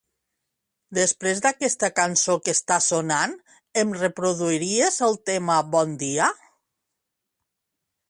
Després d'aquesta cançó que està sonant, em reproduiries el tema "Bon dia"?